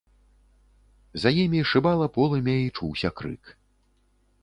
За імі шыбала полымя і чуўся крык.